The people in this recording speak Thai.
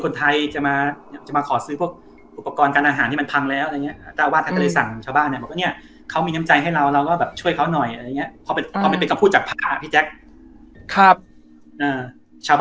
แล้วแล้วแล้วแล้วแล้วแล้วแล้วแล้วแล้วแล้วแล้วแล้วแล้วแล้วแล้วแล้วแล้ว